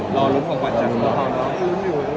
รอรุ้มของวันจังหรอรอรุ้มอยู่